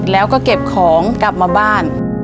แล้วก็เก็บของกลับมาบ้าน